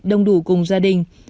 đông đủ cùng gia đình